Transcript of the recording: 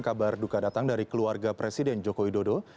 kabar duka datang dari keluarga presiden jokowi dodo